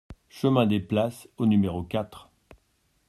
Chemin des Places au numéro quatre